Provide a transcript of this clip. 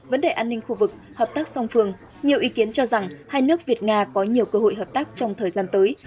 vấn đề an ninh khu vực hợp tác song phương nhiều ý kiến cho rằng hai nước việt nga có nhiều cơ hội hợp tác trong thời gian tới